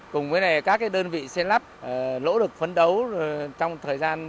cùng với các đơn vị xe lắp lỗ lực phấn đấu trong thời gian